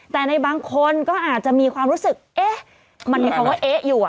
แต่ในบางคนก็อาจจะมีความรู้สึกเอ๊ะมันมีคำว่าเอ๊ะอยู่